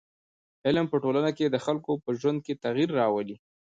علم په ټولنه کي د خلکو په ژوند کي تغیر راولي.